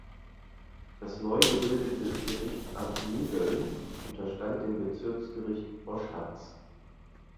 Das neu gebildete Gerichtsamt Mügeln unterstand dem Bezirksgericht Oschatz.